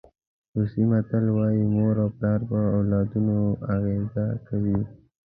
روسي متل وایي مور او پلار په اولادونو اغېزه کوي.